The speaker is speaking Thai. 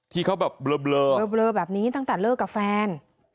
ที่เขาแบบเบลอแบบนี้ตั้งแต่เลิกกับแฟน